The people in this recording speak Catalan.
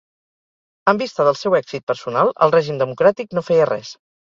en vista del seu èxit personal el règim democràtic no feia res